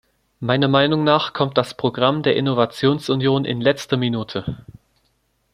Meiner Meinung nach kommt das Programm der Innovationsunion in letzter Minute.